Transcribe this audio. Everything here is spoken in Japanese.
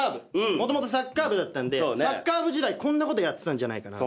もともとサッカー部だったんでサッカー部時代こんなことやってたんじゃないかな。